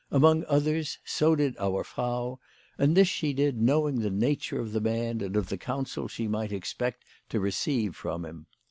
Among others so did our Frau, and this she did knowing the nature of the man and of the counsel she might expect to receive from him.